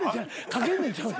「書けんねん」ちゃう。